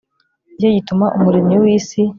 ni cyo gituma umuremyi w'isi